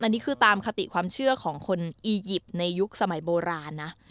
อันนี้คือตามคติความเชื่อของคนอียิปต์ในยุคสมัยโบราณนะ